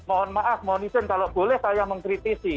mohon maaf mohon izin kalau boleh saya mengkritisi